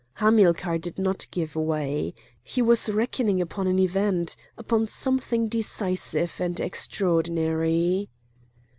Hamilcar did not give way. He was reckoning upon an event, upon something decisive and extraordinary.